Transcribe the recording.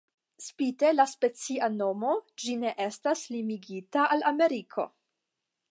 Spite la specia nomo, ĝi ne estas limigita al Ameriko.